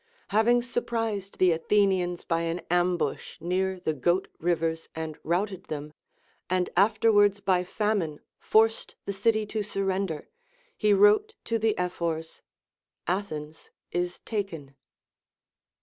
Having surprised the Athenians by an ambush near the Goat Rivers and routed them, and after Avards by famine forced the city to surrender, he wrote to the Ephors, Athens is taken.